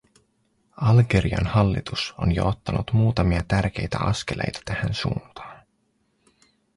Algerian hallitus on jo ottanut muutamia tärkeitä askeleita tähän suuntaan.